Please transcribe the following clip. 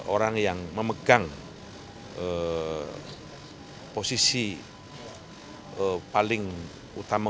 orang yang memegang posisi paling utama